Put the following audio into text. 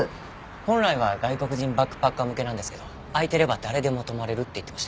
本来は外国人バックパッカー向けなんですけど空いてれば誰でも泊まれるって言ってました。